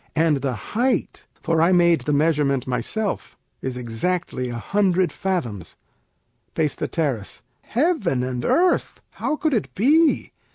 And the height (for I made the measurement myself) Is exactly a hundred fathoms. Peis. Heaven and earth! How could it be?